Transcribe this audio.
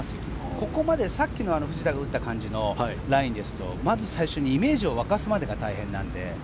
ここまでさっきの藤田が打った感じのラインですとまず最初にイメージを湧かすまでが大変なので。